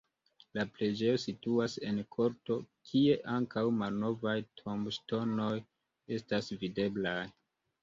La preĝejo situas en korto, kie ankaŭ malnovaj tomboŝtonoj estas videblaj.